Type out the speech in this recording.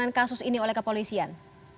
dengan kasus ini oleh kepolisian